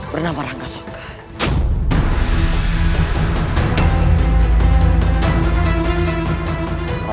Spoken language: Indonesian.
bernama rangga soekar